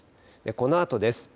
このあとです。